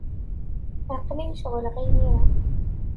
Aql-iyi ceɣleɣ imir-a.